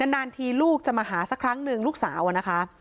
นานทีลูกจะมาหาสักครั้งหนึ่งลูกสาวอะนะคะ